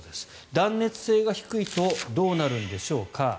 断熱性が低いとどうなるんでしょうか。